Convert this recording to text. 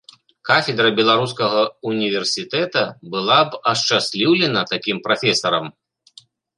Кафедра беларускага універсітэта была б ашчасліўлена такім прафесарам.